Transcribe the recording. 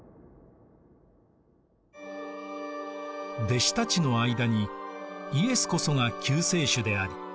弟子たちの間に「イエスこそが救世主である」